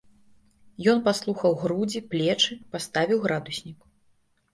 Ён паслухаў грудзі, плечы, паставіў градуснік.